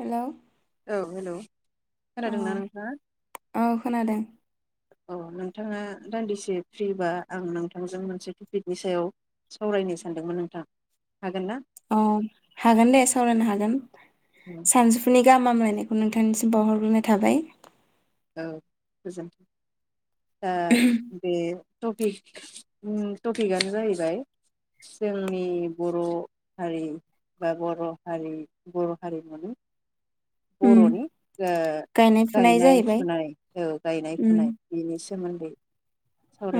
Hello औ hello अ खोनादोंना नोंथाङा? औ खोनादों औ नोंथाङा दान्दिसे फ्रिबा आं नोंथांजों मोनसे टपिकनि सायाव सावरायनो सानदोंमोन नोंथां। हागोन ना? औ हागोन दे सावरायनो हागोन सानजौफुनि गाहाम हामलायनायखौ नोंथांनिसिम बावहरग्रोनाय थाबाय। औ गोजोनथों। दा बे टपिक उम टपिकआनो जाहैबाय जोंनि बर' हारि बा बर' हारि बर' हारिमुनि उम बर'नि ओ फुनाय गायनाय जाहैबाय फुनाय औ गायनाय उम फुनाय बेनि सा सोमोन्दै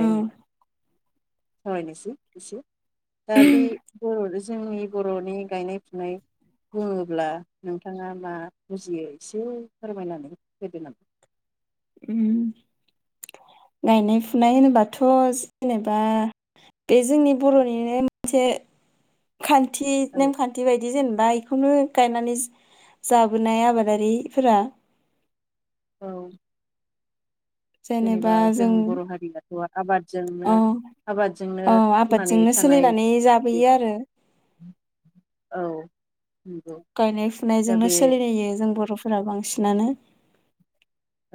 औ सावरायनोसै एसे दा बे बर'दोस जोंनि बर'नि गायनाय फुनाय बुङोब्ला नोंथाङा मा बुजियो एसे फोरमायनानै होदो नाम उम गायनाय फुनाय होनोबाथ' जेनेबा बे जोंनि बर'निनो मोनसे खान्थि औ नेमखान्थि बायदि जेनेबाय खौनो गायनानै जाबोनाय आबादारिफोरा औ जेनेबा जों बर' हारियाथ' आबादजोंनो औ आबादजोंनो औ थांनानै आबादजोंनो थानाय सोलिनानै बे जाबोयो आरो औ नंगौ गायनाय दा फुनायजोंनो बे सोलिलायो जों बर' फोरा बांसिनानो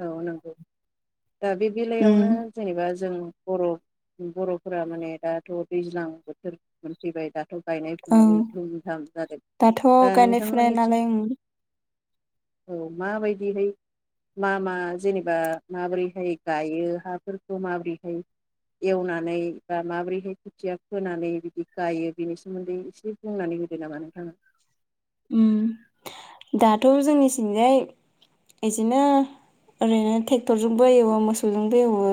औ नंगौ दा बे बेलायावनो उम जेनेबा जों बर' बर'फोरा माने दाथ' दैज्लां बोथोर मोनफैबाय दाथ' गायनाय ओं फुनानै थुम थाम जादों दाथ' दा गायनाय फुनाय नोंथांमोननिथिं नालाय उम औ माबायदिहाय मा मा जेनेबा माबोरैहाय गायो हाफोरखौ माबोरैहाय एवनानै बा माबोरैहाय खोथिया फोनानै बिदि गायो बिनि सोमोन्दै एसे बुंनानै होदो नामा नोंथाङा उम दाथ' जोंनिथिंजाय इदिनो ओरैनो टे टरजोंबो एवो मोसौजोंबो एवो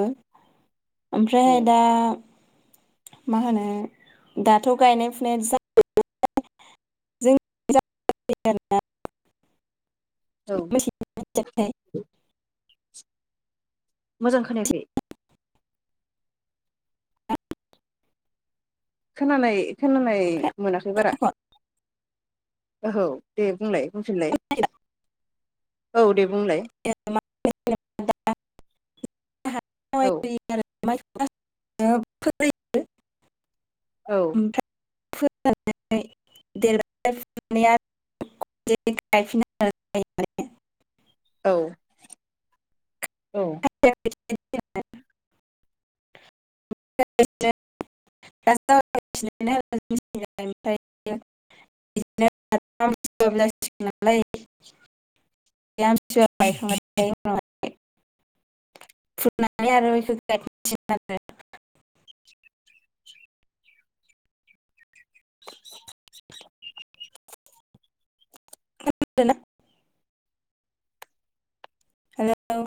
ओमफ्रायहाय दा औ मा होनो दाथ' गायनाय फुनाय जा जों [unintelligible] [unintelligible] मोजां खोनायाखै खोनानाय खोनानाय मोनाखै बारा ओहो दे बुंलाय बुंफिनलाय औ दे बुंलाय औ [unintelligible] [unintelligible] औ [inaudible] औ औ [inaudible] [inaudible] [inaudible] [inaudible] हेलौ